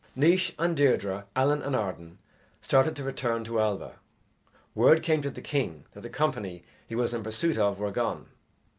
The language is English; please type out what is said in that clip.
Naois and Deirdre, Allen and Arden started to return to Alba. Word came to the king that the company he was in pursuit of were gone.